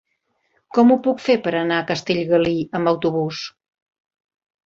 Com ho puc fer per anar a Castellgalí amb autobús?